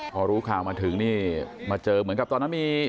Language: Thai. พอรู้ข่าวมาถึงนี่มาเจอเหมือนกับตอนนั้นมี